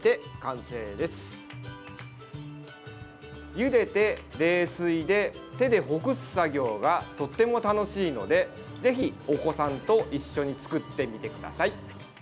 ゆでて冷水で手でほぐす作業がとても楽しいのでぜひお子さんと一緒に作ってみてください。